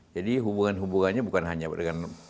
jadi hubungan hubungannya bukan hanya dengan